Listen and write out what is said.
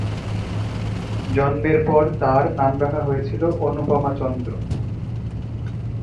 জন্মের পর তাঁর নাম রাখা হয়েছিল "অনুপমা চন্দ্র"।